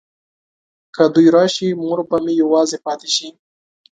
که دوی راشي مور به مې یوازې پاته شي.